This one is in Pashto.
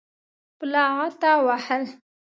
په لغته وهل.